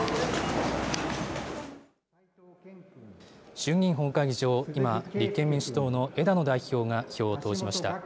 衆議院本会議場、今、立憲民主党の枝野代表が票を投じました。